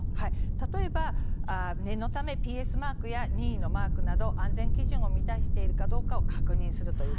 例えば、念のためＰＳマークや任意のマークなど安全基準を満たしているか確認すること。